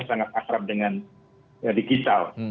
sangat asrap dengan digital